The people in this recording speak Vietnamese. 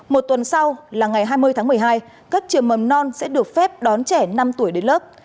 một tuần sau là ngày hai mươi tháng một mươi hai các trường mầm non sẽ được phép đón trẻ năm tuổi đến lớp